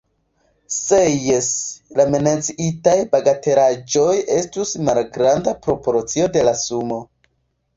Se jes, la menciitaj bagatelaĵoj estus malgranda proporcio de la sumo.